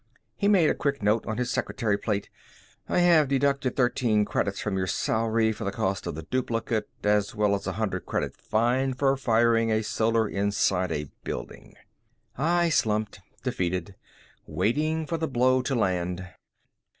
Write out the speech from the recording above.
He made a quick note on his secretary plate. "I have deducted 13 credits from your salary for the cost of the duplicate as well as a 100 credit fine for firing a Solar inside a building." I slumped, defeated, waiting for the blow to land.